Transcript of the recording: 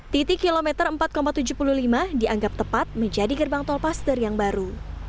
titik kilometer empat tujuh puluh lima dianggap tepat menjadi gerbang tol paster yang baru